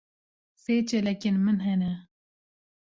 Sê çêlekên min hene.